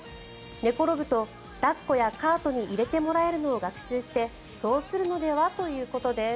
寝転ぶと抱っこやカートに入れてもらえるのを学習してそうするのではということです。